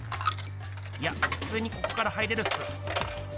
いやふつにここから入れるっす。